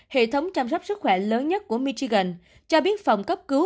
hệ thống chăm sóc sức khỏe lớn nhất của michigan cho biết phòng cấp cứu